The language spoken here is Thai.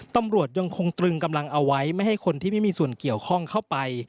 ตำรวจยังคงตรึงกำลังเอาไว้ไม่ให้คนที่ไม่มีส่วนเกี่ยวข้องเข้าไป